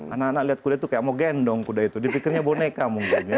anak anak lihat kuda itu kayak mau gendong kuda itu dipikirnya boneka mungkin ya